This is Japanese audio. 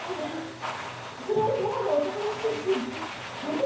それにその方が男らしいし無責任じゃないわよ。